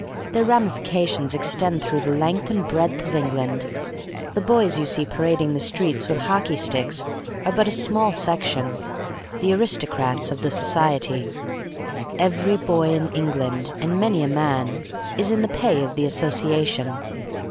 Their ramifications extend through the length and breadth of England. The boys you see parading the streets with hockey sticks are but a small section, the aristocrats of the Society. Every boy in England, and many a man, is in the pay of the association.